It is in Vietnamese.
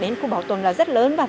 đến khu bảo tồn là rất lớn